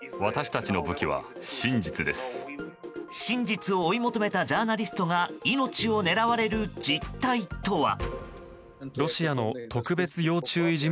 真実を追い求めたジャーナリストが命を狙われる実態とは。